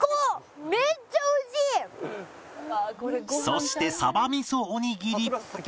そしてさば味噌おにぎり